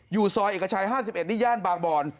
อยู่ซอยเอกชัย๕๑นี่ย่านบางบอน